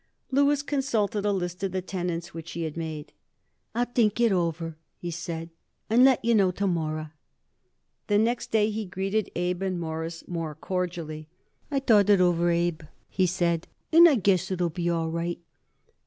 Louis consulted a list of the tenants which he had made. "I'll think it over," he said, "and let you know to morrow." The next day he greeted Abe and Morris more cordially. "I thought it over, Abe," he said, "and I guess it'll be all right."